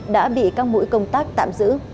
đã bị các mũi công tác tạm giữ